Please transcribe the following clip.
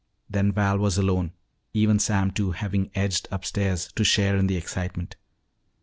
Then Val was alone, even Sam Two having edged upstairs to share in the excitement.